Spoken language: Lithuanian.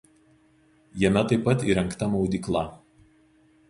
Jame taip pat įrengta maudykla.